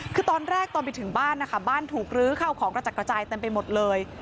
คือตอนแรกตอนไปถึงบ้านนะคะบ้านถูกลื้อเข้าของกระจัดกระจายเต็มไปหมดเลย